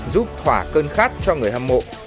giúp thỏa cơn khát cho người hâm mộ